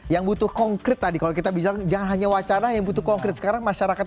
yang butuh konkret tadi kalau kita bicara jangan hanya wacana yang butuh konkret sekarang masyarakat